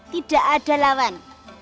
tidak ada lawan